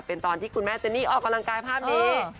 เป็นตอนที่คุณแม่เจนี่ออกกำลังกายภาพนี้